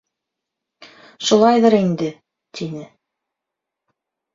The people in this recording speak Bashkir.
— Шулайҙыр инде, — тине.